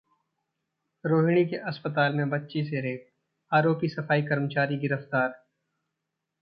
रोहिणी के अस्पताल में बच्ची से रेप, आरोपी सफाई कर्मचारी गिरफ्तार